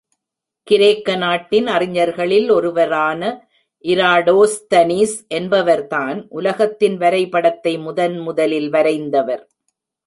கிரேக்க நாட்டின் அறிஞர்களில் ஒருவரான இராடோஸ்தனீஸ் என்பவர்தான், உலகத்தின் வரைபடத்தை முதன் முதலில் வரைந்தவர்.